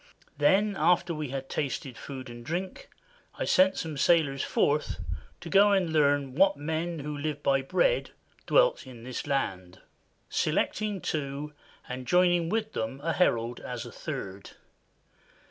Then after we had tasted food and drink, I sent some sailors forth to go and learn what men who live by bread dwelt in the land, — selecting two and joining with them a herald as a third.